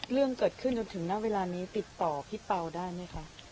เรื่องเกิดขึ้นจนถึงณเวลานี้ติดต่อพี่เปล่าได้ไหมคะ